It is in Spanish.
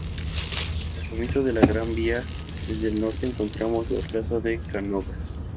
Al comienzo de la Gran Vía desde el norte encontramos la plaza de Cánovas.